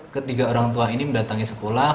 ketiga orang tua ini mendatangi sekolah